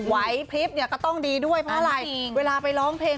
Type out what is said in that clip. พริบเนี่ยก็ต้องดีด้วยเพราะอะไรเวลาไปร้องเพลง